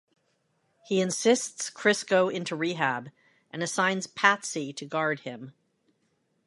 He insists Chris go into rehab and assigns Patsy to guard him.